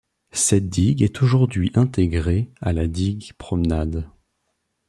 Cette digue est aujourd'hui intégrée à la digue promenade.